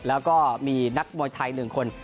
แล้วก็มีนักมวยไทยหนึ่งคน